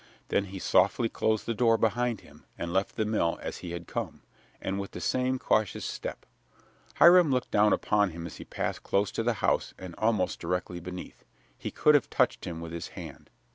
Then he softly closed the door behind him and left the mill as he had come, and with the same cautious step. Hiram looked down upon him as he passed close to the house and almost directly beneath. He could have touched him with his hand.